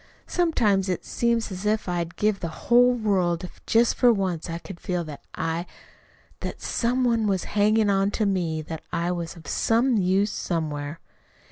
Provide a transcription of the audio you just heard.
sometimes it seems as if I'd give the whole world if just for once I could feel that I that some one was hanging on to me! that I was of some use somewhere."